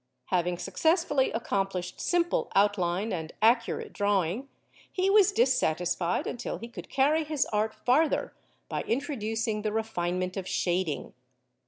Having successfully accomplished simple outline and accurate drawing, he was dissatisfied until he could carry his art farther by introducing the refinement of shading.